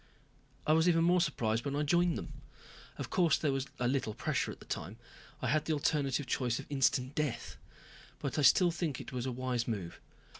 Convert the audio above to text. I was even more surprised when I joined them. Of course there was a little pressure at the time. I had the alternative choice of instant death. But I still think it was a wise move.